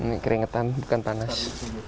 ini keringetan bukan panas